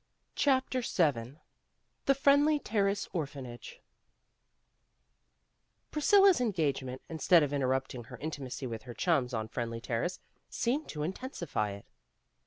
CHAPTER VII THE FRIENDLY TERRACE ORPHANAGE PRISCILLA'S engagement, instead of interrupt ing her intimacy with her chums on Friendly Terrace, seemed to intensify it.